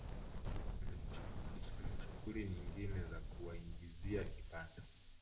Wanajishughulisha na shughuli nyingine za kuwaingizia kipato